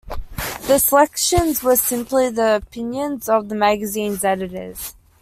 The selections were simply the opinions of the magazine's editors.